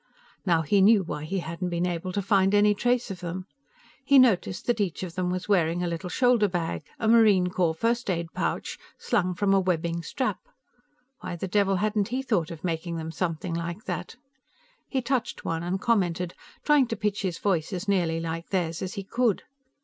Now he knew why he hadn't been able to find any trace of them. He noticed that each of them was wearing a little shoulder bag a Marine Corps first aid pouch slung from a webbing strap. Why the devil hadn't he thought of making them something like that? He touched one and commented, trying to pitch his voice as nearly like theirs as he could.